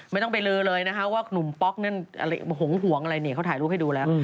ไม่ต้องไปลือเลยนะคะว่าหนุ่มป๊อกนั้นอะไรหงอะไรนี่เขาถ่ายรูปให้ดูแล้ว